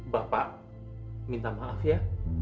bapak minta maaf ya